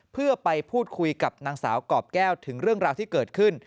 เพื่อไปพูดคุยกับนางสาวกรอบแก้วถึงเรื่องราวที่เกิดขึ้น